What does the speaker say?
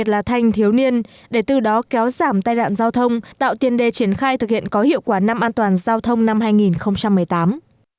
là thanh thiếu niên để từ đó kéo giảm tai nạn giao thông tạo tiền đề triển khai thực hiện có hiệu quả năm an toàn giao thông năm hai nghìn một mươi tám